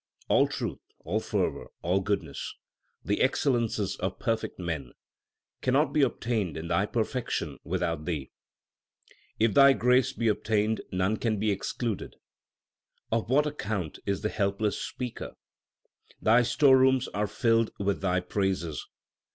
All truth, all fervour, all goodness, The excellences of perfect men, Cannot be obtained in their perfection without Thee. If Thy grace be obtained none can be excluded ; Of what account is the helpless speaker ? Thy store rooms are filled with Thy praises.